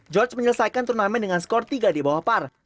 george menyelesaikan turnamen dengan skor tiga di bawah par